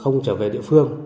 không trở về địa phương